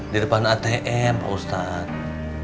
di depan atm ustadz